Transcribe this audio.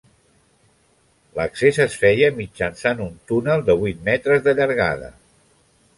L'accés es feia mitjançant un túnel de vuit metres d'allargada.